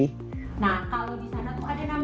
nah kalau di sana tuh ada nama